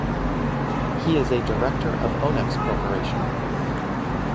He is a director of Onex Corporation.